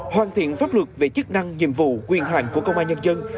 hoàn thiện pháp luật về chức năng nhiệm vụ quyền hạn của công an nhân dân